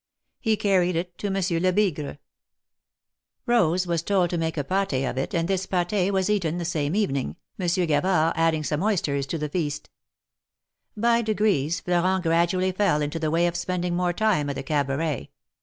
He carried it to Monsieur Lebigre. Eose was told to 168 THE MARKETS OF PARIS. make a pat6 of it, and this pate was eaten the same evening, Monsieur Gavard adding some oysters to the feast. By degrees Florent gradually fell into the way of spending more time at the Cabaret.